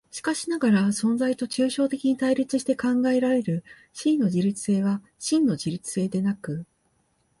しかしながら存在と抽象的に対立して考えられる思惟の自律性は真の自律性でなく、